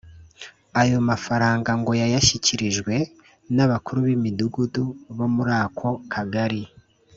Ayo mafaranga ngo yayashyikirijwe n’abakuru b’imidugudu bo muri ako kagari